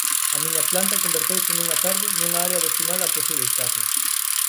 A miña planta converteuse nunha tarde nunha área destinada a posíbeis casos.